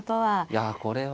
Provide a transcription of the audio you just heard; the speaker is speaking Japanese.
いやこれは。